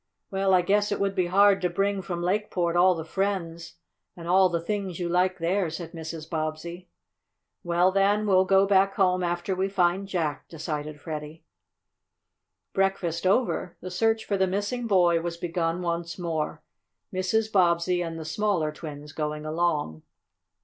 "Well, I guess it would be hard to bring from Lakeport all the friends and all the things you like there," said Mrs. Bobbsey. "Well, then we'll go back home after we find Jack," decided Freddie. Breakfast over, the search for the missing boy was begun once more, Mrs. Bobbsey and the smaller twins going along.